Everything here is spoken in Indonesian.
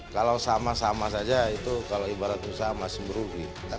kalau sama sama saja itu kalau ibarat usaha masih berugi